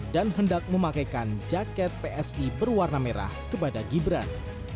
dan hendak memakaikan jaket psi berwarna merah kepada gibran